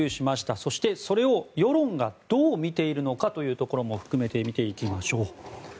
そして、それを世論がどう見ているのかというところも含めて見ていきましょう。